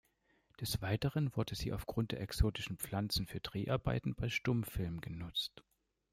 Des Weiteren wurde sie aufgrund der exotischen Pflanzen für Dreharbeiten bei Stummfilmen genutzt.